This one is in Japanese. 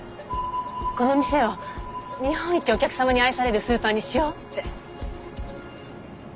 この店を日本一お客様に愛されるスーパーにしようって。